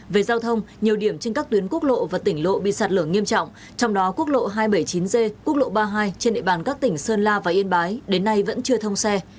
về giao thông nhiều điểm trên các tuyến quốc lộ và tỉnh lộ bị sạt lở nghiêm trọng trong đó quốc lộ hai trăm bảy mươi chín g quốc lộ ba mươi hai trên địa bàn các tỉnh sơn la và yên bái đến nay vẫn chưa thông xe